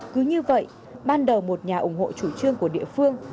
cứ như vậy ban đầu một nhà ủng hộ chủ trương của địa phương